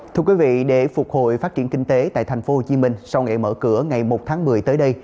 thưa quý vị để phục hồi phát triển kinh tế tại tp hcm sau ngày mở cửa ngày một tháng một mươi tới đây